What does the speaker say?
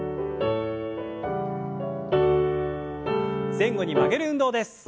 前後に曲げる運動です。